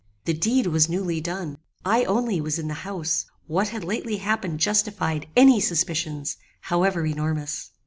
The deed was newly done: I only was in the house: what had lately happened justified any suspicions, however enormous.